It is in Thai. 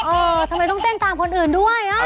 เออทำไมต้องเต้นตามคนอื่นด้วย